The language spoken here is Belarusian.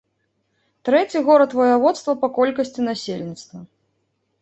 Трэці горад ваяводства па колькасці насельніцтва.